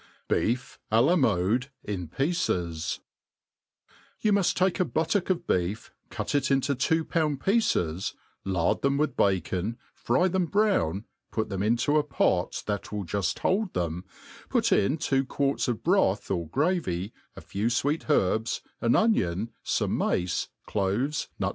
Beef Alanade in Pieces, YOU muft take a buttock' of beef, cut it into two pound pieces, lard them with bacon, fry them brown, put them into t pot that will juft hold them, put in two quarts of broth or gravy, a few fweet herbs, an onion, fome mace, cloves, nut